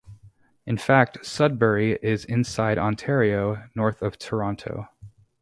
In fact, Sudbury is inside Ontario, north of Toronto.